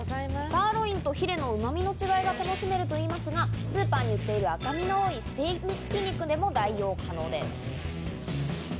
サーロインとヒレのうまみの違いが楽しめるといいますが、スーパーに売っている赤身の多いステーキ肉でも代用可能です。